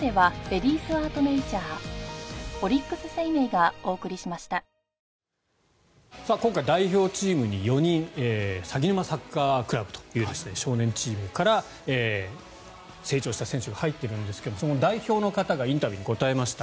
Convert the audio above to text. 今回、代表にさぎぬまサッカークラブという今回、代表チームに４人さぎぬまサッカークラブという少年チームから成長した選手が入っているんですがその代表の方がインタビューに答えました。